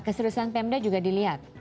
keseluruhan pemda juga dilihat